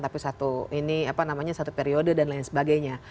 tapi satu ini satu periode dan lain sebagainya